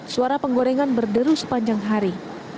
suara penggorengan berderu sepanjang hari